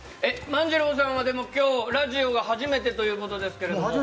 万次郎さんは今日ラジオが初めてということですが。